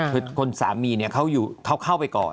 คือคนสามีเนี่ยเขาเข้าไปก่อน